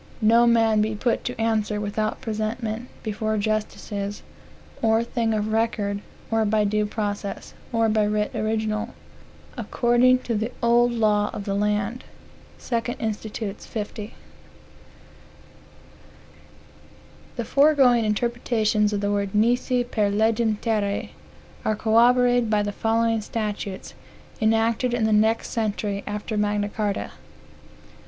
"No man be put to answer without presentment before justices, or thing of record, or by due process, or by writ original, according to the old law of the land." 2 Inst. 50. The foregoing interpretations of the words nisi per legem terrae are corroborated by the following statutes, enacted in the next century after Magna Carta.